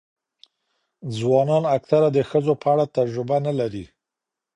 ځوانان اکثره د ښځو په اړه تجربه نه لري.